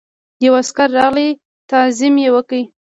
یو عسکر راغی تعظیم یې وکړ.